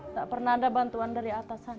tak pernah ada bantuan dari atasan